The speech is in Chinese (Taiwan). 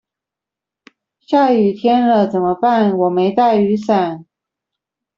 下雨天了怎麼辦我沒帶雨傘